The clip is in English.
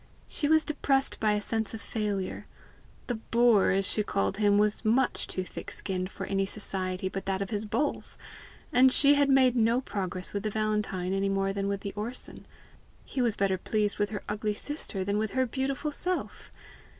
She was depressed by a sense of failure; the boor, as she called him, was much too thick skinned for any society but that of his bulls! and she had made no progress with the Valentine any more than with the Orson; he was better pleased with her ugly sister than with her beautiful self!